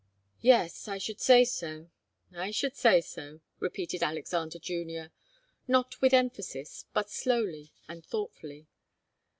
"Yes, I should say so. I should say so," repeated Alexander Junior, not with emphasis, but slowly and thoughtfully.